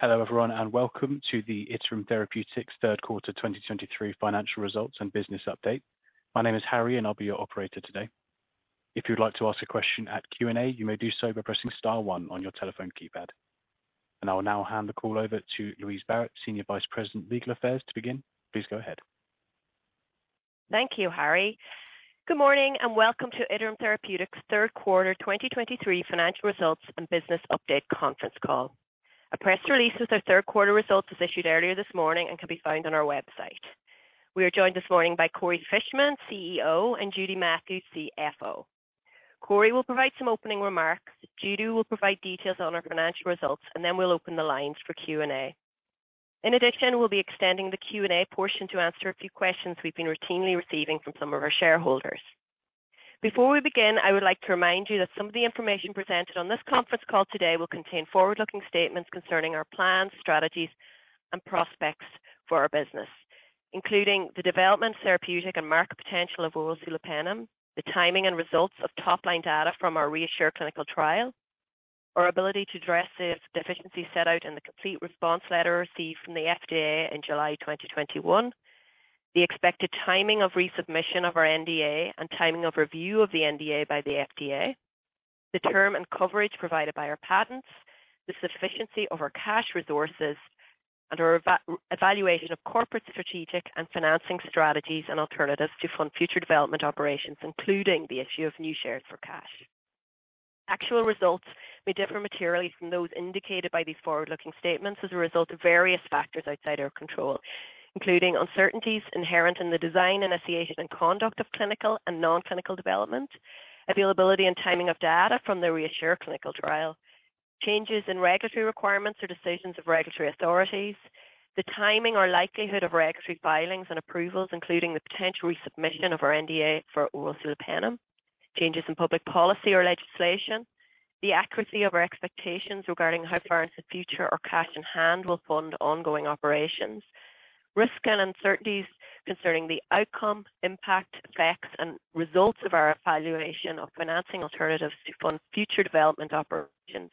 Hello, everyone, and welcome to the Iterum Therapeutics Third Quarter 2023 Financial Results and Business Update. My name is Harry, and I'll be your operator today. If you'd like to ask a question at Q&A, you may do so by pressing star one on your telephone keypad. I will now hand the call over to Louise Barrett, Senior Vice President, Legal Affairs, to begin. Please go ahead. Thank you, Harry. Good morning, and welcome to Iterum Therapeutics' Third Quarter 2023 Financial Results and Business Update Conference Call. A press release with our third quarter results was issued earlier this morning and can be found on our website. We are joined this morning by Corey Fishman, CEO, and Judy Matthews, CFO. Corey will provide some opening remarks. Judy will provide details on our financial results, and then we'll open the lines for Q&A. In addition, we'll be extending the Q&A portion to answer a few questions we've been routinely receiving from some of our shareholders. Before we begin, I would like to remind you that some of the information presented on this conference call today will contain forward-looking statements concerning our plans, strategies, and prospects for our business, including the development, therapeutic and market potential of oral sulopenem, the timing and results of top-line data from our REASSURE clinical trial, our ability to address the deficiencies set out in the Complete Response Letter received from the FDA in July 2021, the expected timing of resubmission of our NDA and timing of review of the NDA by the FDA, the term and coverage provided by our patents, the sufficiency of our cash resources, and our evaluation of corporate, strategic, and financing strategies and alternatives to fund future development operations, including the issue of new shares for cash. Actual results may differ materially from those indicated by these forward-looking statements as a result of various factors outside our control, including uncertainties inherent in the design, initiation, and conduct of clinical and non-clinical development, availability and timing of data from the REASSURE clinical trial, changes in regulatory requirements or decisions of regulatory authorities, the timing or likelihood of regulatory filings and approvals, including the potential resubmission of our NDA for oral sulopenem, changes in public policy or legislation, the accuracy of our expectations regarding how far into the future our cash in hand will fund ongoing operations, risk and uncertainties concerning the outcome, impact, effects, and results of our evaluation of financing alternatives to fund future development operations,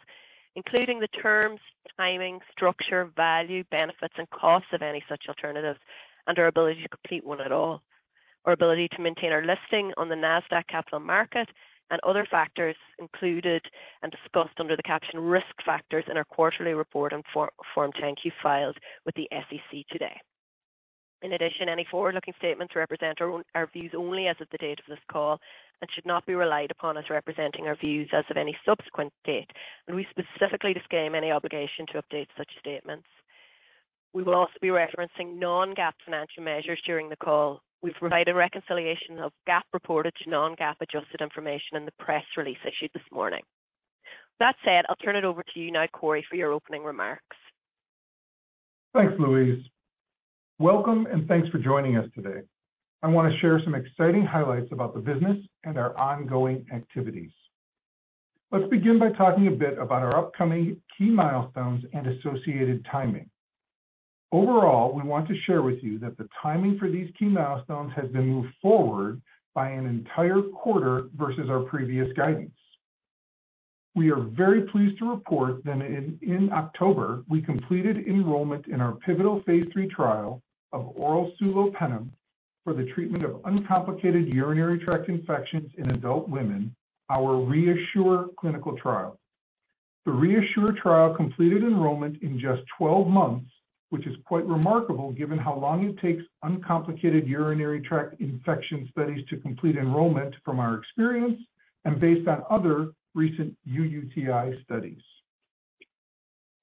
including the terms, timing, structure, value, benefits, and costs of any such alternatives and our ability to complete one at all, our ability to maintain our listing on the Nasdaq Capital Market and other factors included and discussed under the caption Risk Factors in our quarterly report on Form 10-Q filed with the SEC today. In addition, any forward-looking statements represent our, our views only as of the date of this call and should not be relied upon as representing our views as of any subsequent date, and we specifically disclaim any obligation to update such statements. We will also be referencing non-GAAP financial measures during the call. We've provided a reconciliation of GAAP reported to non-GAAP adjusted information in the press release issued this morning. That said, I'll turn it over to you now, Corey, for your opening remarks. Thanks, Louise. Welcome, and thanks for joining us today. I want to share some exciting highlights about the business and our ongoing activities. Let's begin by talking a bit about our upcoming key milestones and associated timing. Overall, we want to share with you that the timing for these key milestones has been moved forward by an entire quarter versus our previous guidance. We are very pleased to report that in October, we completed enrollment in our pivotal phase III trial of oral sulopenem for the treatment of uncomplicated urinary tract infections in adult women, our REASSURE clinical trial. The REASSURE trial completed enrollment in just 12 months, which is quite remarkable given how long it takes uncomplicated urinary tract infection studies to complete enrollment from our experience and based on other recent UTIs studies.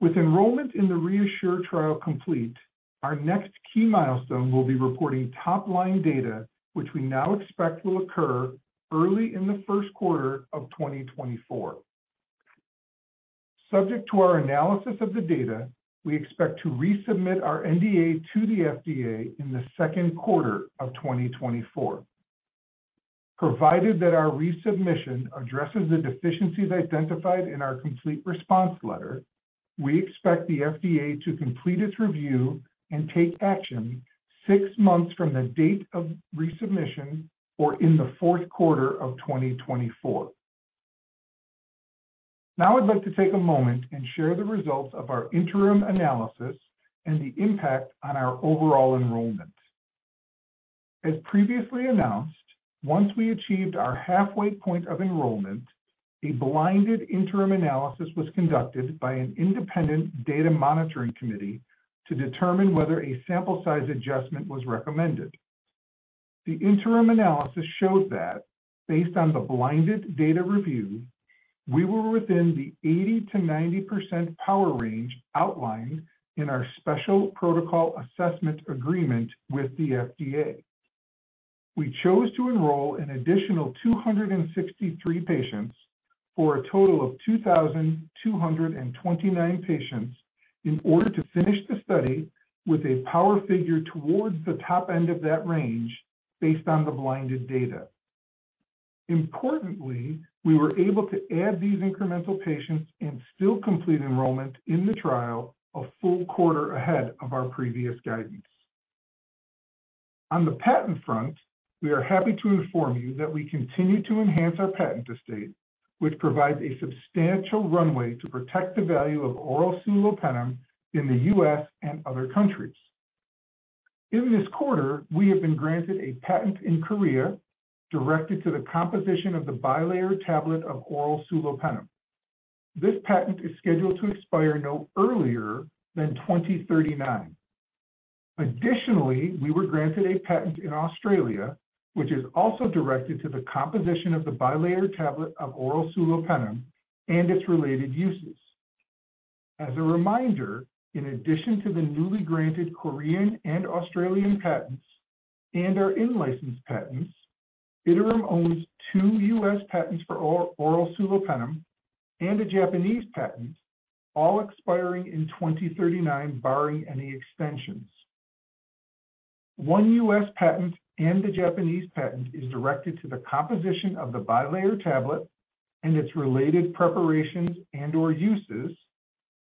With enrollment in the REASSURE trial complete, our next key milestone will be reporting top-line data, which we now expect will occur early in the first quarter of 2024. Subject to our analysis of the data, we expect to resubmit our NDA to the FDA in the second quarter of 2024. Provided that our resubmission addresses the deficiencies identified in our Complete Response Letter, we expect the FDA to complete its review and take action six months from the date of resubmission or in the fourth quarter of 2024. Now, I'd like to take a moment and share the results of our Interim Analysis and the impact on our overall enrollment. As previously announced, once we achieved our halfway point of enrollment, a blinded Interim Analysis was conducted by an independent Data Monitoring Committee to determine whether a sample size adjustment was recommended. The interim analysis showed that based on the blinded data review, we were within the 80%-90% power range outlined in our Special Protocol Assessment agreement with the FDA. We chose to enroll an additional 263 patients for a total of 2,229 patients in order to finish the study with a power figure towards the top end of that range based on the blinded data. Importantly, we were able to add these incremental patients and still complete enrollment in the trial a full quarter ahead of our previous guidance.... On the patent front, we are happy to inform you that we continue to enhance our patent estate, which provides a substantial runway to protect the value of oral sulopenem in the U.S. and other countries. In this quarter, we have been granted a patent in Korea directed to the composition of the bilayer tablet of oral sulopenem. This patent is scheduled to expire no earlier than 2039. Additionally, we were granted a patent in Australia, which is also directed to the composition of the bilayer tablet of oral sulopenem and its related uses. As a reminder, in addition to the newly granted Korean and Australian patents and our in-license patents, Iterum owns two U.S. patents for oral sulopenem and a Japanese patent, all expiring in 2039, barring any extensions. One U.S. patent and the Japanese patent is directed to the composition of the bilayer tablet and its related preparations and/or uses,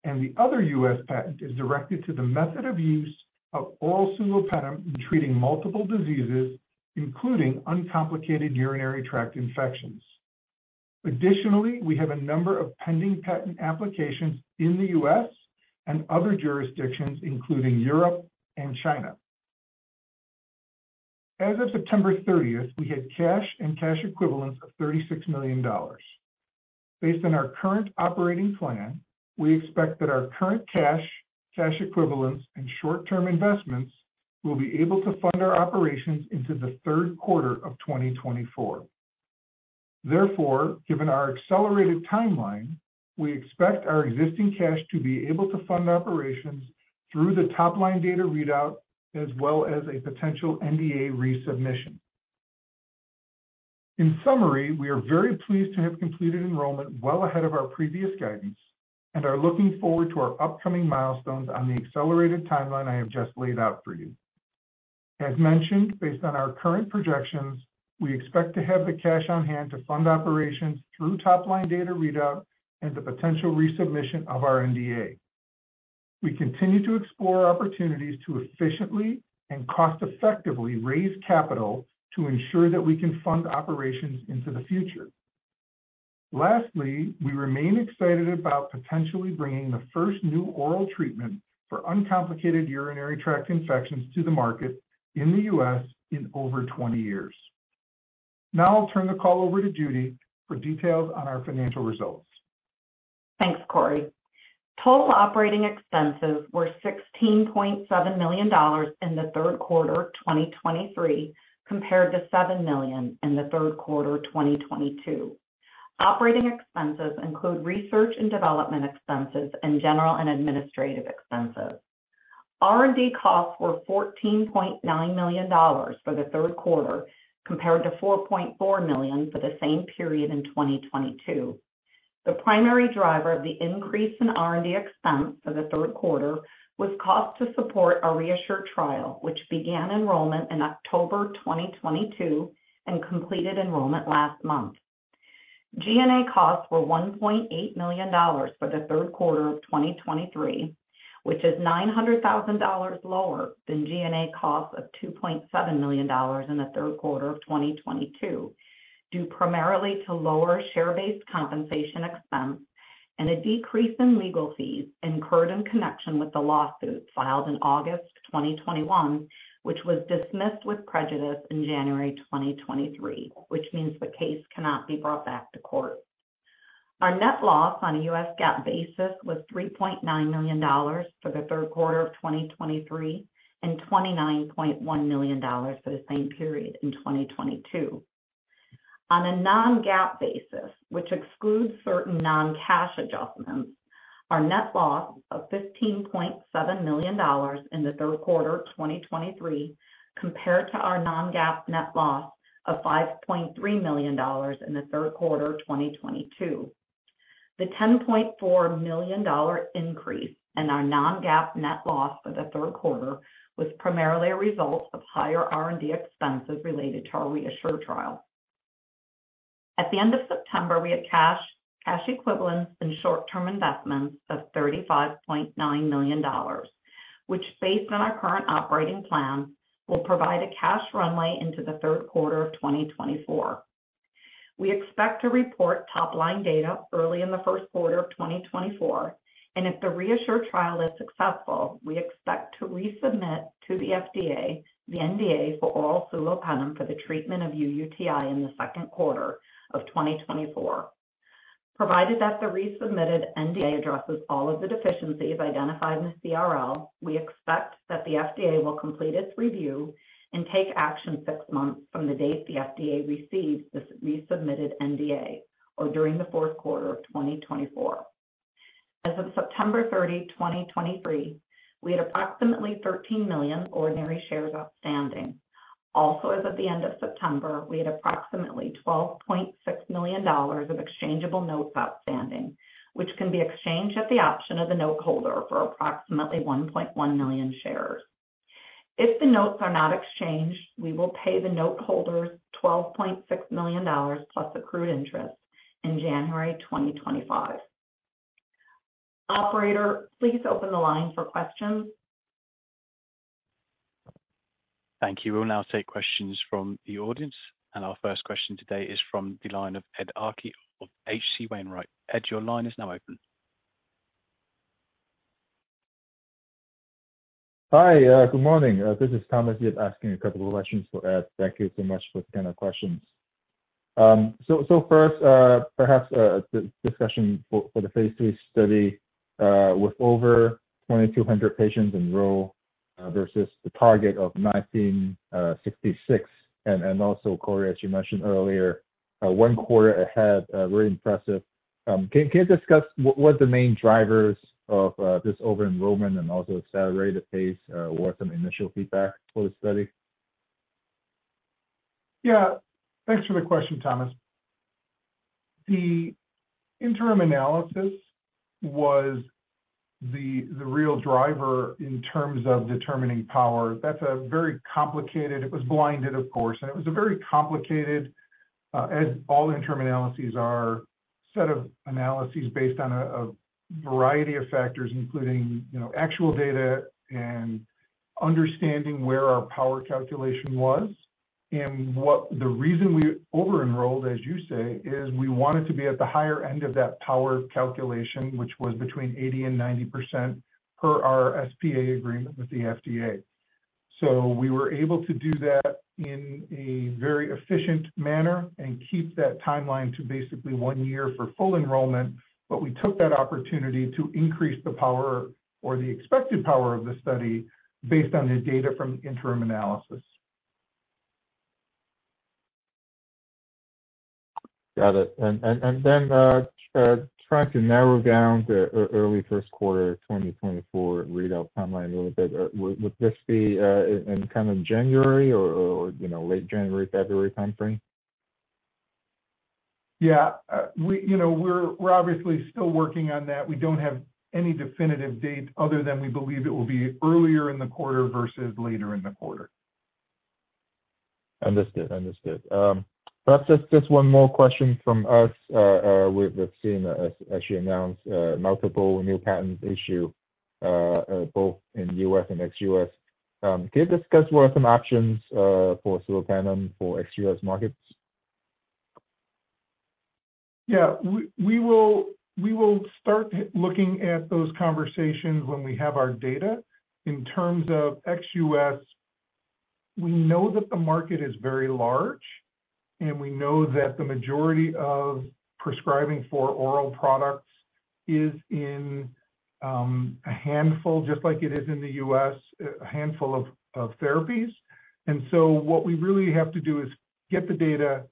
and the other U.S. patent is directed to the method of use of oral sulopenem in treating multiple diseases, including uncomplicated urinary tract infections. Additionally, we have a number of pending patent applications in the U.S. and other jurisdictions, including Europe and China. As of September 13th, we had cash and cash equivalents of $36 million. Based on our current operating plan, we expect that our current cash, cash equivalents, and short-term investments will be able to fund our operations into the third quarter of 2024. Therefore, given our accelerated timeline, we expect our existing cash to be able to fund operations through the top-line data readout, as well as a potential NDA resubmission. In summary, we are very pleased to have completed enrollment well ahead of our previous guidance and are looking forward to our upcoming milestones on the accelerated timeline I have just laid out for you. As mentioned, based on our current projections, we expect to have the cash on hand to fund operations through top-line data readout and the potential resubmission of our NDA. We continue to explore opportunities to efficiently and cost-effectively raise capital to ensure that we can fund operations into the future. Lastly, we remain excited about potentially bringing the first new oral treatment for uncomplicated urinary tract infections to the market in the U.S. in over 20 years. Now I'll turn the call over to Judy for details on our financial results. Thanks, Corey. Total operating expenses were $16.7 million in the third quarter of 2023, compared to $7 million in the third quarter of 2022. Operating expenses include research and development expenses, and general and administrative expenses. R&D costs were $14.9 million for the third quarter, compared to $4.4 million for the same period in 2022. The primary driver of the increase in R&D expense for the third quarter was cost to support our REASSURE trial, which began enrollment in October 2022 and completed enrollment last month. G&A costs were $1.8 million for the third quarter of 2023, which is $900,000 lower than G&A costs of $2.7 million in the third quarter of 2022, due primarily to lower share-based compensation expense and a decrease in legal fees incurred in connection with the lawsuit filed in August 2021, which was dismissed with prejudice in January 2023, which means the case cannot be brought back to court. Our net loss on a U.S. GAAP basis was $3.9 million for the third quarter of 2023, and $29.1 million for the same period in 2022. On a non-GAAP basis, which excludes certain non-cash adjustments, our net loss of $15.7 million in the third quarter of 2023, compared to our non-GAAP net loss of $5.3 million in the third quarter of 2022. The $10.4 million increase in our non-GAAP net loss for the third quarter was primarily a result of higher R&D expenses related to our REASSURE trial. At the end of September, we had cash, cash equivalents, and short-term investments of $35.9 million, which, based on our current operating plan, will provide a cash runway into the third quarter of 2024. We expect to report top-line data early in the first quarter of 2024, and if the REASSURE trial is successful, we expect to resubmit to the FDA the NDA for oral sulopenem for the treatment of uUTI in the second quarter of 2024. Provided that the resubmitted NDA addresses all of the deficiencies identified in the CRL, we expect that the FDA will complete its review and take action six months from the date the FDA receives this resubmitted NDA or during the fourth quarter of 2024. As of September 30, 2023, we had approximately 13 million ordinary shares outstanding. Also, as of the end of September, we had approximately $12.6 million of exchangeable notes outstanding, which can be exchanged at the option of the note holder for approximately 1.1 million shares. If the notes are not exchanged, we will pay the note holders $12.6 million plus accrued interest in January 2025. Operator, please open the line for questions. Thank you. We'll now take questions from the audience, and our first question today is from the line of Ed Arce of H.C. Wainwright. Ed, your line is now open. Hi, good morning. This is Thomas Yip asking a couple of questions for Ed. Thank you so much for taking our questions. First, perhaps, the discussion for the phase III study with over 2,200 patients enrolled versus the target of 1,966. And also, Corey, as you mentioned earlier, one quarter ahead, very impressive. Can you discuss what the main drivers of this over-enrollment and also accelerated pace, what are some initial feedback for the study? Yeah, thanks for the question, Thomas. The interim analysis was the real driver in terms of determining power. That's a very complicated... It was blinded, of course, and it was a very complicated, as all interim analyses are, set of analyses based on a variety of factors, including, you know, actual data and understanding where our power calculation was. And what the reason we over-enrolled, as you say, is we wanted to be at the higher end of that power calculation, which was between 80%-90% per our SPA agreement with the FDA. So we were able to do that in a very efficient manner and keep that timeline to basically one year for full enrollment, but we took that opportunity to increase the power or the expected power of the study based on the data from the interim analysis. Got it. And then, trying to narrow down the early first quarter of 2024 readout timeline a little bit. Would this be in kind of January or, you know, late January, February time frame? Yeah. We, you know, we're obviously still working on that. We don't have any definitive date other than we believe it will be earlier in the quarter versus later in the quarter. Understood. Understood. Perhaps just one more question from us. We've seen, as you announced, multiple new patent issue both in U.S. and ex-U.S. Can you discuss what are some options for sulopenem for ex-U.S. markets? Yeah. We will start looking at those conversations when we have our data. In terms of ex-US, we know that the market is very large, and we know that the majority of prescribing for oral products is in a handful, just like it is in the US, a handful of therapies. And so what we really have to do is get the data,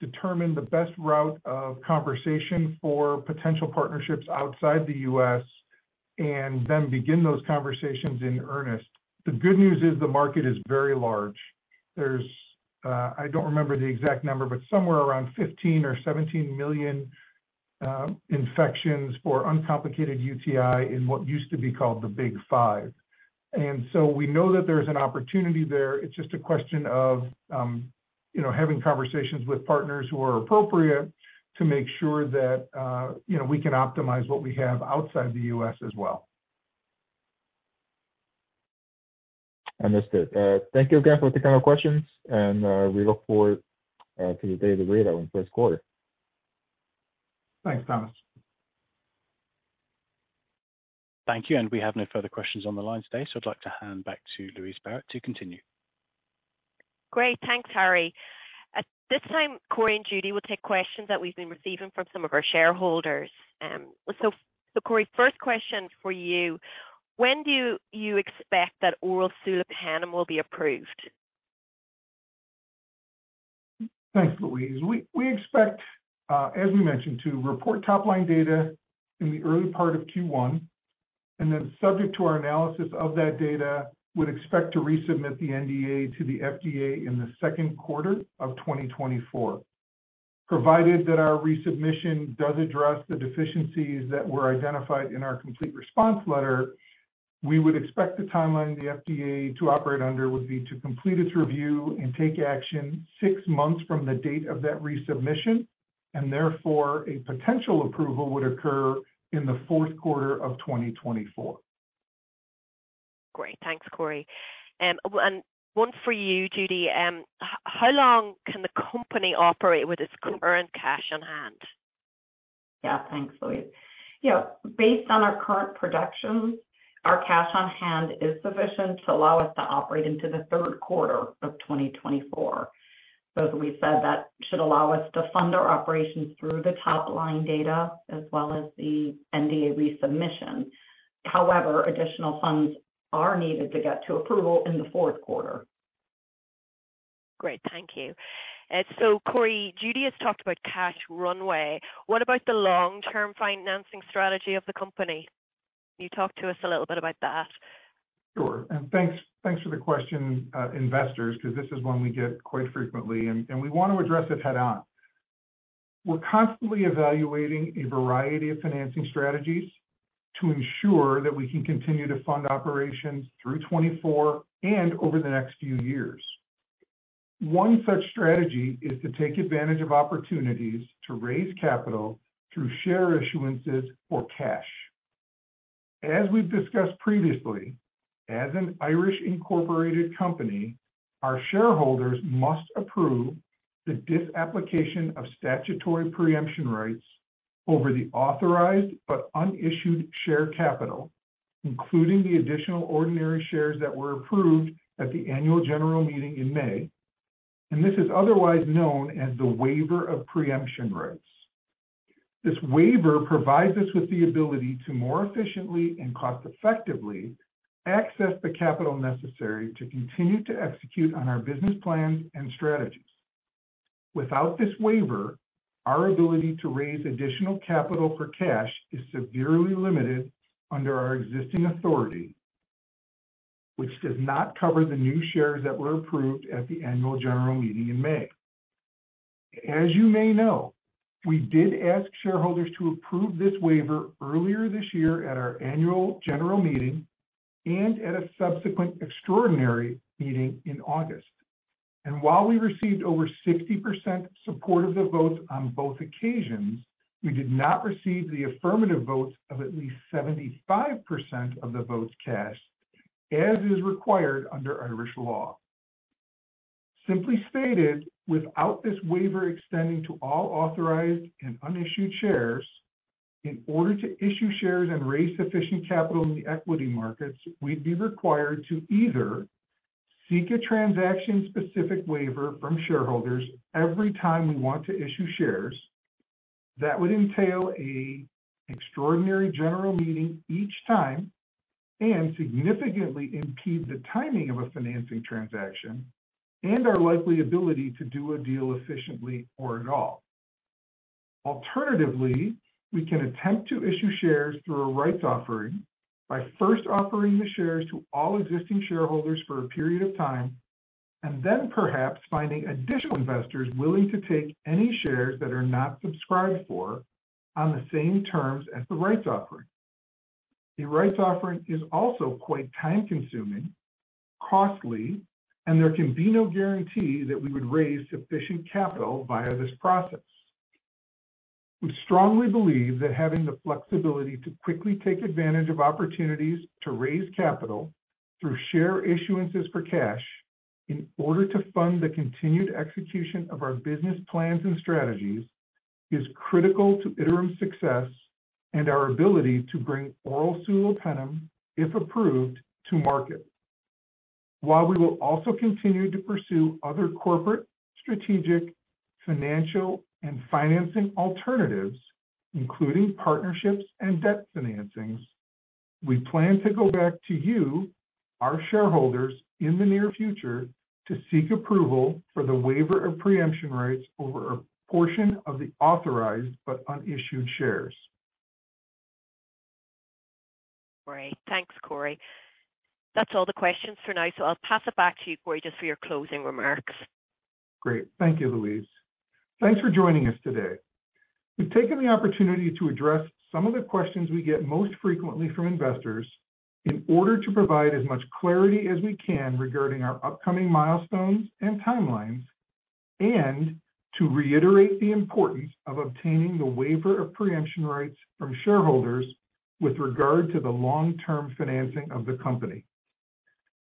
determine the best route of conversation for potential partnerships outside the US, and then begin those conversations in earnest. The good news is the market is very large. There's. I don't remember the exact number, but somewhere around 15 or 17 million infections for uncomplicated UTI in what used to be called the Big Five. And so we know that there's an opportunity there. It's just a question of, you know, having conversations with partners who are appropriate to make sure that, you know, we can optimize what we have outside the U.S. as well. Understood. Thank you again for taking our questions, and we look forward to the day of the readout in first quarter. Thanks, Thomas. Thank you, and we have no further questions on the line today, so I'd like to hand back to Louise Barrett to continue. Great. Thanks, Harry. At this time, Corey and Judy will take questions that we've been receiving from some of our shareholders. So, Corey, first question for you. When do you expect that oral sulopenem will be approved? Thanks, Louise. We expect, as we mentioned, to report top-line data in the early part of Q1, and then subject to our analysis of that data, would expect to resubmit the NDA to the FDA in the second quarter of 2024. Provided that our resubmission does address the deficiencies that were identified in our Complete Response Letter, we would expect the timeline the FDA to operate under would be to complete its review and take action six months from the date of that resubmission, and therefore, a potential approval would occur in the fourth quarter of 2024. Great. Thanks, Corey. One for you, Judy. How long can the company operate with its current cash on hand? Yeah. Thanks, Louise. Yeah, based on our current projections, our cash on hand is sufficient to allow us to operate into the third quarter of 2024. So as we said, that should allow us to fund our operations through the top-line data as well as the NDA resubmission. However, additional funds are needed to get to approval in the fourth quarter. Great. Thank you. So, Corey, Judy has talked about cash runway. What about the long-term financing strategy of the company? Can you talk to us a little bit about that? Sure. And thanks, thanks for the question, investors, because this is one we get quite frequently, and, and we want to address it head-on. We're constantly evaluating a variety of financing strategies to ensure that we can continue to fund operations through 2024 and over the next few years.... One such strategy is to take advantage of opportunities to raise capital through share issuances or cash. As we've discussed previously, as an Irish-incorporated company, our shareholders must approve the disapplication of statutory preemption rights over the authorized but unissued share capital, including the additional ordinary shares that were approved at the annual general meeting in May, and this is otherwise known as the waiver of preemption rights. This waiver provides us with the ability to more efficiently and cost-effectively access the capital necessary to continue to execute on our business plans and strategies. Without this waiver, our ability to raise additional capital for cash is severely limited under our existing authority, which does not cover the new shares that were approved at the annual general meeting in May. As you may know, we did ask shareholders to approve this waiver earlier this year at our annual general meeting and at a subsequent extraordinary meeting in August. While we received over 60% support of the votes on both occasions, we did not receive the affirmative votes of at least 75% of the votes cast, as is required under Irish law. Simply stated, without this waiver extending to all authorized and unissued shares, in order to issue shares and raise sufficient capital in the equity markets, we'd be required to either seek a transaction-specific waiver from shareholders every time we want to issue shares. That would entail an extraordinary general meeting each time and significantly impede the timing of a financing transaction and our likely ability to do a deal efficiently or at all. Alternatively, we can attempt to issue shares through a rights offering by first offering the shares to all existing shareholders for a period of time, and then perhaps finding additional investors willing to take any shares that are not subscribed for on the same terms as the rights offering. A rights offering is also quite time-consuming, costly, and there can be no guarantee that we would raise sufficient capital via this process. We strongly believe that having the flexibility to quickly take advantage of opportunities to raise capital through share issuances for cash in order to fund the continued execution of our business plans and strategies, is critical to Iterum's success and our ability to bring oral sulopenem, if approved, to market. While we will also continue to pursue other corporate, strategic, financial, and financing alternatives, including partnerships and debt financings, we plan to go back to you, our shareholders, in the near future to seek approval for the waiver of preemption rights over a portion of the authorized but unissued shares. Great. Thanks, Corey. That's all the questions for now, so I'll pass it back to you, Corey, just for your closing remarks. Great. Thank you, Louise. Thanks for joining us today. We've taken the opportunity to address some of the questions we get most frequently from investors in order to provide as much clarity as we can regarding our upcoming milestones and timelines, and to reiterate the importance of obtaining the waiver of preemption rights from shareholders with regard to the long-term financing of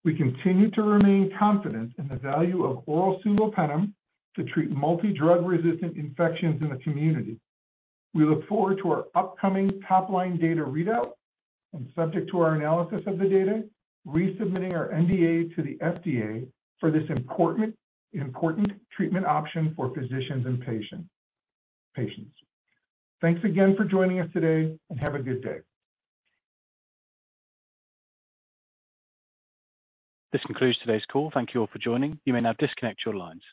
the company. We continue to remain confident in the value of oral sulopenem to treat multi-drug resistant infections in the community. We look forward to our upcoming top-line data readout and, subject to our analysis of the data, resubmitting our NDA to the FDA for this important, important treatment option for physicians and patients, patients. Thanks again for joining us today, and have a good day. This concludes today's call. Thank you all for joining. You may now disconnect your lines.